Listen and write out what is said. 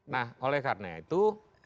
nah oleh karena itu